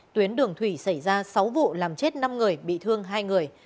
tuyến đường thủy xảy ra sáu vụ làm chết năm người bị thương hai người